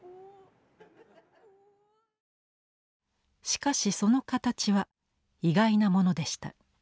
しかしその形は意外なものでした。